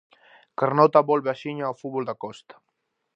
Carnota volve axiña ao fútbol da Costa.